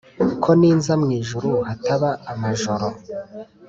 ko ninza mu ijuru hataba amajoro,